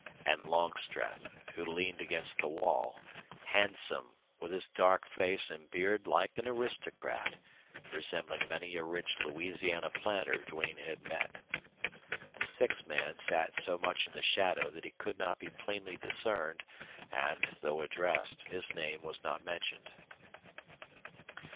And Longstreth, who leaned against the wall, handsome, with his dark face and beard like an aristocrat, resembled many a rich Louisiana planter Duane had met. The sixth man sat so much in the shadow that he could not be plainly discerned, and, though addressed, his name was not mentioned.